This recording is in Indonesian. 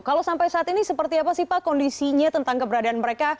kalau sampai saat ini seperti apa sih pak kondisinya tentang keberadaan mereka